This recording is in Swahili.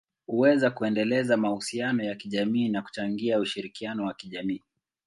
huweza kuendeleza mahusiano ya kijamii na kuchangia ushirikiano wa kijamii.